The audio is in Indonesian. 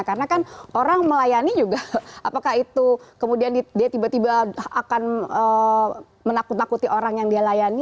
karena kan orang melayani juga apakah itu kemudian di tiba tiba akan menakuti orang yang dia layani